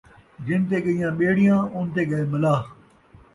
جنتے ڳئیاں ٻیڑیاں، اُنتے ڳئے ملاح